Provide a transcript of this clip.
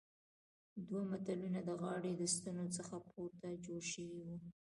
دوه مثلثونه د غاړې د ستنو څخه پورته جوړ شوي وو.